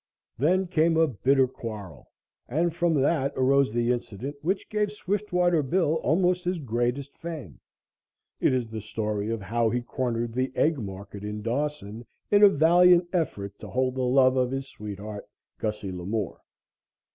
Then came a bitter quarrel, and from that arose the incident which gave Swiftwater Bill almost his greatest fame it is the story of how he cornered the egg market in Dawson in a valiant effort to hold the love of his sweetheart, Gussie Lamore.